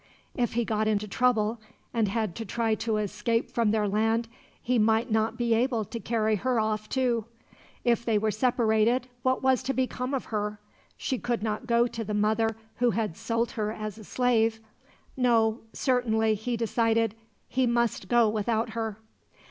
If he got into trouble, and had to try to escape from their land, he might not be able to carry her off, too. If they were separated, what was to become of her? She could not go to the mother who had sold her as a slave. No; certainly, he decided, he must go without her.